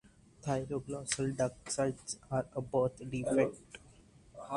Thyroglossal Duct Cysts are a birth defect.